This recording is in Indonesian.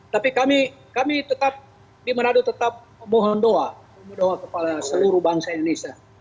tapi kami tetap di manado tetap mohon doa kepada seluruh bangsa indonesia